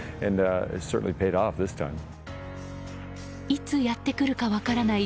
いつやってくるか分からない